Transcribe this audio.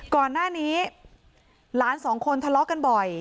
ก่อนหน้านี้หลานสองคนทะเลาะกันบ่อย